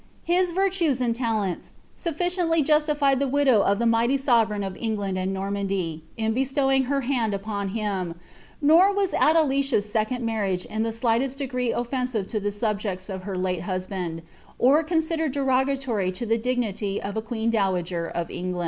His virtues a:id lalents suifieii justified the widow of the mighty sovereign of England ami Kog in bestowing her hand upon him ; nor was Adelicia^ second i; in the slightest degree oiTensive lo the subjects of her late I considered derogatory to the dignity of a queen dowager of £ngti • Ibid.